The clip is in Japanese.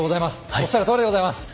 おっしゃるとおりでございます！